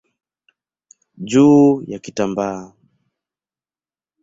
juu ya kitambaa.